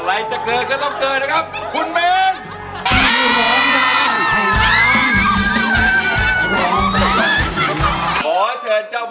บ้าพ่อเชิญเจ้าเบาจุ้มชิ้นเจ้าสาว